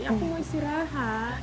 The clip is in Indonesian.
aku mau istirahat